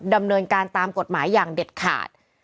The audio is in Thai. ดำเนินการตามกฎหมายอย่างเด็ดขาด